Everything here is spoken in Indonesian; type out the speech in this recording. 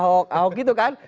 ahok ahok gitu kan